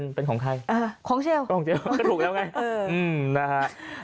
ปั๊มเชลล์เป็นเป็นของใครเอ่อของเชลล์ของเชลล์ก็ถูกแล้วไงเอออืมนะฮะ